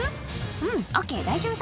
うんＯＫ大丈夫